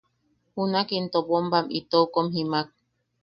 Junak into bombam itou kom jimaak.